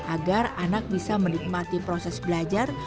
agar anak bisa menikmati proses belajar